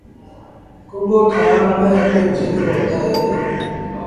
ڪٻو ٺآرآڻ ميݩ هڪڙي ڀيٚل رو هٿ اهي۔